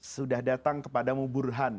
sudah datang kepadamu burhan